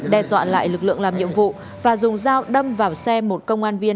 đe dọa lại lực lượng làm nhiệm vụ và dùng dao đâm vào xe một công an viên